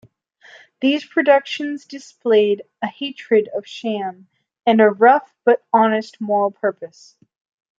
These productions display a hatred of sham, and a rough but honest moral purpose.